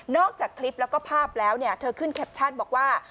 จากคลิปแล้วก็ภาพแล้วเนี่ยเธอขึ้นแคปชั่นบอกว่า